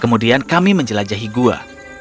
kemudian kami menjelajahi gua